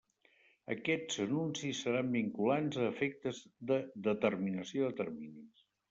Aquests anuncis seran vinculants a efectes de determinació de terminis.